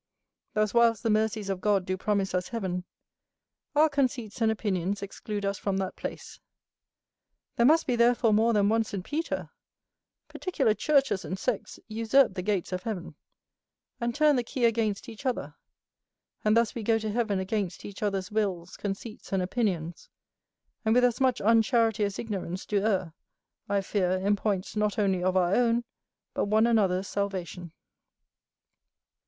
Thus, whilst the mercies of God do promise us heaven, our conceits and opinions exclude us from that place. There must be therefore more than one St Peter; particular churches and sects usurp the gates of heaven, and turn the key against each other; and thus we go to heaven against each other's wills, conceits, and opinions, and, with as much uncharity as ignorance, do err, I fear, in points not only of our own, but one another's salvation.